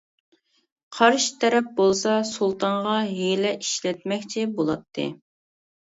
قارشى تەرەپ بولسا سۇلتانغا ھىيلە ئىشلەتمەكچى بولاتتى.